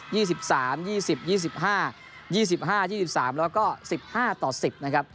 แล้วก็๑๕ต่อ๑๐นะครับ